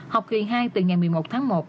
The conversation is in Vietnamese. học kỳ hai từ ngày một mươi một tháng một